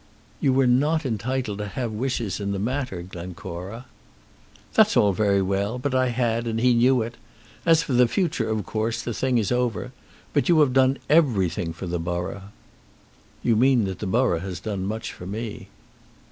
"You were not entitled to have wishes in the matter, Glencora." "That's all very well; but I had, and he knew it. As for the future, of course, the thing is over. But you have done everything for the borough." "You mean that the borough has done much for me."